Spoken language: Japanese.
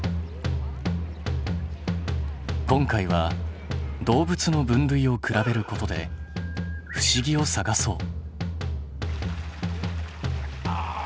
今回は「動物の分類」を比べることで不思議を探そう！